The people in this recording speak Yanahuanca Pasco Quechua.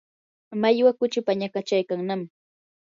mallwa kuchii pañakachaykannam